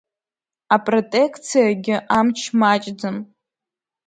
Апротекциагьы амч маҷӡам.